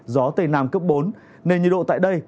gió tây nam cấp bốn nền nhiệt độ tại đây